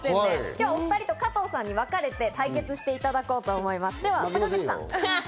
今日はお２人と加藤さんにわかれて対決していただきます。